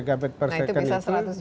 nah itu bisa seratus juta ya